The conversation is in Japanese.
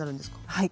はい。